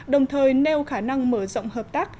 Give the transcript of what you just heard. đồng thời nêu khả năng mở rộng hợp tác